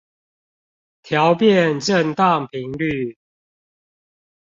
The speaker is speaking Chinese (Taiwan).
調變振盪頻率